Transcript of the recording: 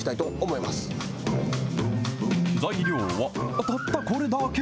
材料はたったこれだけ。